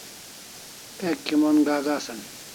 Ek kimon gak asan